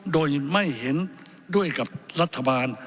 โดยไม่เห็นด้วยกับรัฐบาล